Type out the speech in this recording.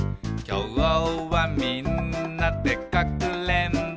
「きょうはみんなでかくれんぼ」